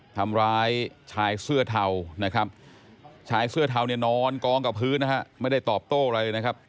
ทำร้ายชายเสื้อเทาชายเสื้อเทานี่นอนกองกับพื้นไม่ได้ตอบโต้อะไร